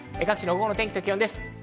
午後の天気と気温です。